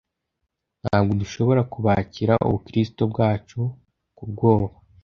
ntabwo dushobora kubakira ubukristu bwacu ku bwoba